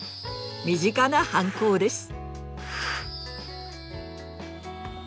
身近な反抗です。